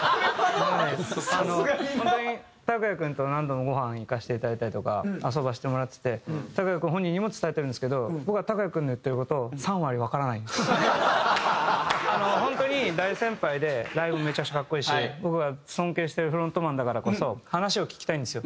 ホントにＴＡＫＵＹＡ∞君と何度もご飯行かせて頂いたりとか遊ばせてもらっててＴＡＫＵＹＡ∞君本人にも伝えてるんですけど僕はＴＡＫＵＹＡ∞君のあのホントに大先輩でライブもめちゃくちゃかっこいいし僕が尊敬してるフロントマンだからこそ話を聞きたいんですよ。